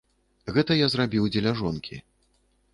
Гэта я зрабіў дзеля жонкі.